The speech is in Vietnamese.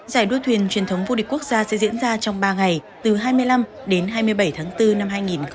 giải đua thuyền truyền thống vô địch quốc gia sẽ diễn ra trong ba ngày từ hai mươi năm đến hai mươi bảy tháng bốn năm hai nghìn hai mươi